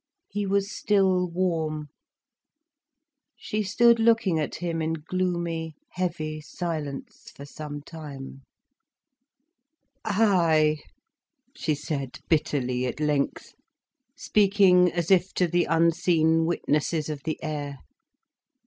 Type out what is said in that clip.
He was still warm. She stood looking at him in gloomy, heavy silence, for some time. "Ay," she said bitterly, at length, speaking as if to the unseen witnesses of the air.